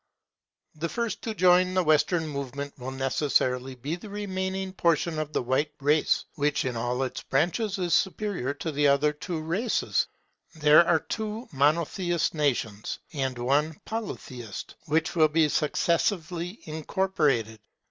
The first to join the Western movement will necessarily be the remaining portion of the White race: which in all its branches is superior to the other two races. There are two Monotheist nations, and one Polytheist, which will be successively incorporated.